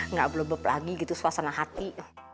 nggak belebep lagi gitu suasana hati